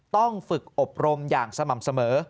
ต้องฝึกอบรมอย่างสม่ำเสมอ